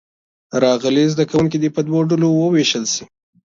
راغلي زده کوونکي دې په دوو ډلو ووېشل شي.